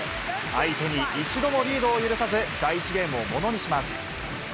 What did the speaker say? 相手に一度もリードを許さず、第１ゲームをものにします。